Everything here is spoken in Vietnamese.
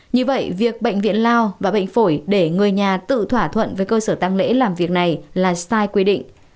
như vậy việc bệnh viện lao và bệnh phổi để người nhà tự thỏa thuận với cơ sở tăng lễ làm việc này là sai quy định